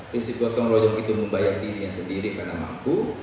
prinsip buatan rojok itu membayar dirinya sendiri karena mampu